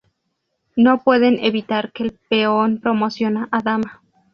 No pueden evitar que el peón promociona a Dama.